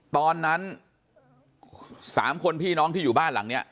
ตอนนั้น๓คนพี่น้องที่อยู่บ้านหลังนี้